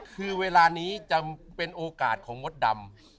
คือเวลานี้จะเป็นโอกาสของมดดำ